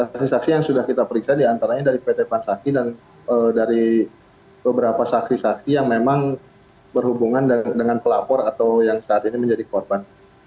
saksi saksi yang sudah kita periksa diantaranya dari pt pansaki dan dari beberapa saksi saksi yang memang berhubungan dengan pelapor atau yang saat ini menjadi korban